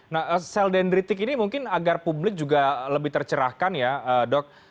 nah sel dendritik ini mungkin agar publik juga lebih tercerahkan ya dok